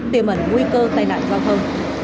tiềm ẩn nguy cơ tai nạn giao thông